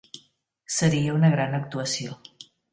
Seria una gran actuació.